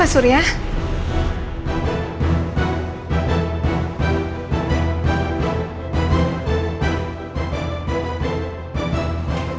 nanti saya cari elsa ya